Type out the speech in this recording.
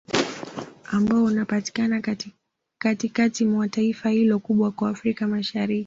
Ambao unapatikana Katikati mwa taifa hilo kubwa kwa Afrika Mashariki